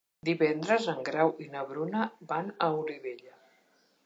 Divendres en Grau i na Bruna van a Olivella.